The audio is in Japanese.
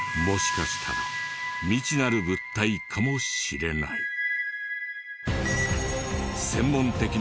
もしかしたら未知なる物体かもしれない。